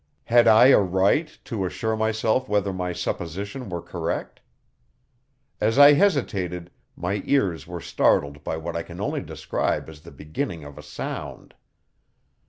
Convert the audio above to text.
Had I a right to assure myself whether my supposition were correct? As I hesitated my ears were startled by what I can only describe as the beginning of a sound.